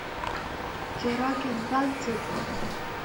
Џьарак ианбанӡатәои?